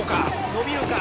伸びるか？